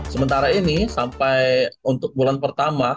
sementara ini sampai untuk bulan pertama